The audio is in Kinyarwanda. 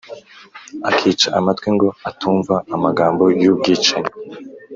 akica amatwi ngo atumva amagambo y’ubwicanyi,